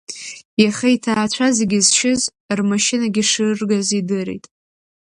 Иаха иҭаацәа зегьы зшьыз, рмашьынагьы шыргаз идырит.